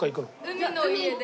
海の家で。